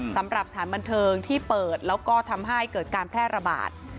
สำหรับสถานบันเทิงที่เปิดแล้วก็ทำให้เกิดการแพร่ระบาด